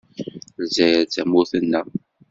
Lezzayer d tamurt-nneɣ.